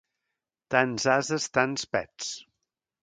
Tants ases, tants pets.